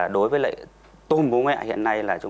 đối với tôm bú mẹ hiện nay